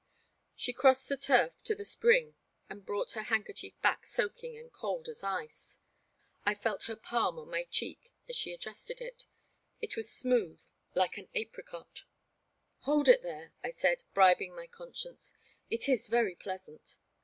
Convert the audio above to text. She crossed the turf to the spring and brought her handkerchief back soaking and cold as ice. I felt her palm on my cheek as she adjusted it. It was smooth, like an apricot. Hold it there," I said, bribing my conscience ;it is very pleasant."